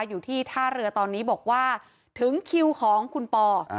อยู่ที่ท่าเรือตอนนี้บอกว่าถึงคิวของคุณปอ